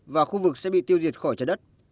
và khu vực sẽ bị tiêu diệt khỏi trái đất